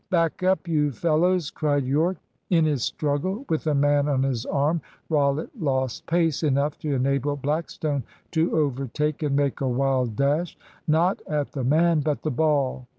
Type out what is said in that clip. "Back up, you fellows!" cried Yorke. In his struggle with the man on his arm, Rollitt lost pace enough to enable Blackstone to overtake and make a wild dash, not at the man, but the ball.